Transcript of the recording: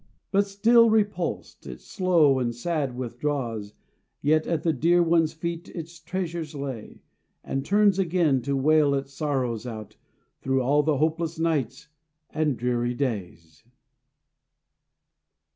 But still repulsed, it slow and sad withdraws, Yet at the dear one's feet its treasures lays, And turns again, to wail its sorrows out Through all the hopeless nights and dreary days.